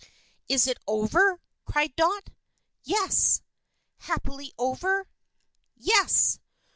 "Is it over?" cried Dot. "Yes!" "Happily over?" "Yes!"